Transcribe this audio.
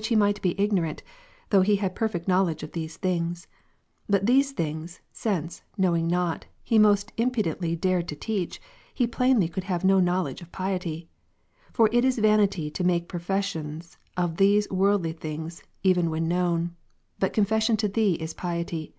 he might be ignorant, though he had perfect knowledge of these things ; but these things, since, knowing not, he most impudently dared to teach, he plainly could have no know ledge of piety. For it is vanity to make profession of these worldly things even when known ; but confession to Thee is piety.